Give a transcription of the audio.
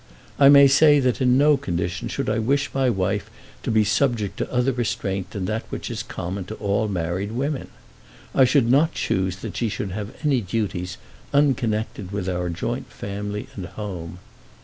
I may say that in no condition should I wish my wife to be subject to other restraint than that which is common to all married women. I should not choose that she should have any duties unconnected with our joint family and home.